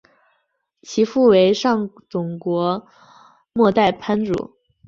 其父为上总国末代藩主。